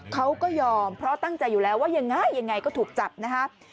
เขาก็ยอมเพราะตั้งใจอยู่แล้วว่ายังไงยังไงก็ถูกจับนะฮะ